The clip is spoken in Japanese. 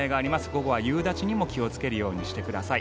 午後は夕立にも気をつけるようにしてください。